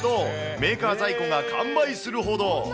メーカー在庫が完売するほど。